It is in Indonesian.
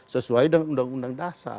sesuai dengan undang undang dasar